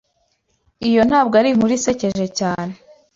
Iyo ntabwo ari inkuru isekeje cyane.